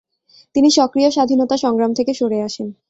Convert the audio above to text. তিনি সক্রিয় স্বাধীনতা সংগ্রাম থেকে সরে আসেন।